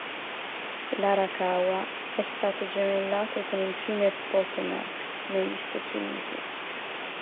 L'Arakawa è stato gemellato con il fiume Potomac negli Stati Uniti.